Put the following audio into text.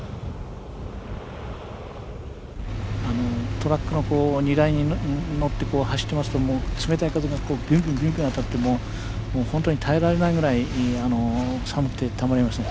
トラックの荷台に乗って走ってますと冷たい風がびゅんびゅん当たって本当に耐えられないぐらい寒くてたまりません。